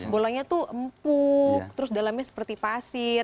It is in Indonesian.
bolanya tuh empuk terus dalamnya seperti pasir